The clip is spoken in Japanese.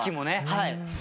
はい。